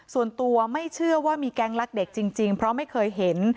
ส่วนตัวไม่เชื่อว่ามีแก๊งรักเด็กจริงเพราะไม่เคยเห็น